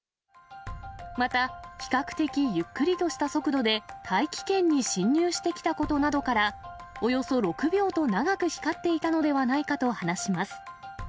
また、比較的ゆっくりとした速度で大気圏に進入してきたことなどから、およそ６秒と長く光っていたのではないかと話します。